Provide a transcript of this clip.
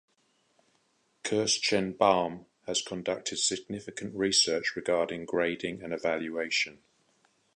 Kirschenbaum has conducted significant research regarding grading and evaluation.